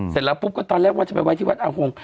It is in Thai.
เสร็จแล้วปุ๊บก็ตอนแรกว่าจะไปไว้ที่วัดอาหง